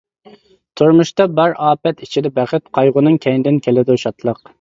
تۇرمۇشتا بار ئاپەت ئىچىدە بەخت، قايغۇنىڭ كەينىدىن كېلىدۇ شادلىق.